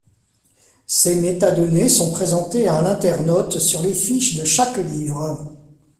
Ces métadonnées sont présentées à l'internaute sur les fiches de chaque livre.